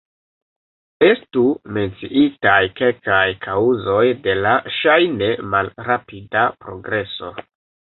Estu menciataj kelkaj kaŭzoj de la ŝajne malrapida progreso.